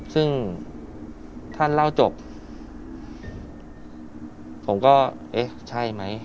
ซึ่งท่านเล่าจบผมก็เอ๊ะใช่ไหม